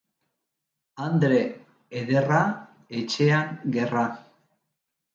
Andre ederra, etxean gerra.